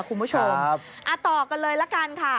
คุณผู้ชมต่อกันเลยละกันค่ะ